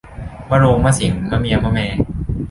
มะโรง มะเส็ง มะเมีย มะแม